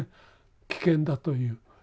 危険だという。